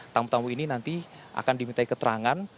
tamu tamu ini nanti akan diminta keterangan